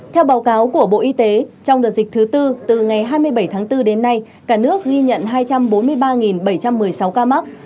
theo báo cáo của bộ y tế trong đợt dịch thứ tư từ ngày hai mươi bảy tháng bốn đến nay cả nước ghi nhận hai trăm bốn mươi ba bảy trăm một mươi sáu ca mắc